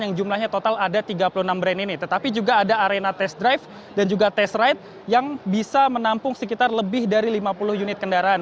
yang jumlahnya total ada tiga puluh enam brand ini tetapi juga ada arena test drive dan juga test ride yang bisa menampung sekitar lebih dari lima puluh unit kendaraan